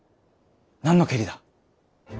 何のけりだ？